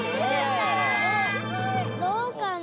どうかな？